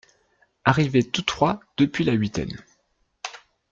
Arrivés tous trois depuis la huitaine.